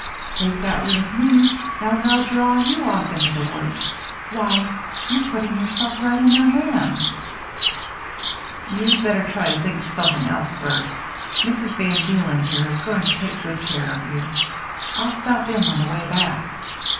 They've got rid of me — now they'll draw you off into the woods — why, you're putting yourself right in their hands !"" You'd better try to think of something else, Bert. Mrs. van Deelen here is going to take good care of you. I'll stop in on the way back."